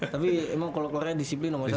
tapi emang kalau keluarnya disiplin nomor satu